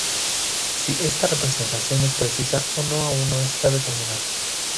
Si esta representación es precisa o no aún no está determinada.